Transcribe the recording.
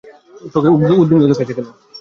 তোকে উদ্বিগ্ন দেখাচ্ছে কেন?